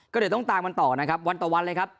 ก็เดี๋ยวต้องตามกันต่อนะครับวันต่อวันเลยครับ